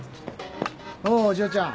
おう嬢ちゃん。